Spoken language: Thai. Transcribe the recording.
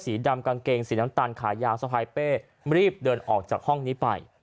สีดำกางเกงสีน้ำตาลขายาวสะพายเป้รีบเดินออกจากห้องนี้ไป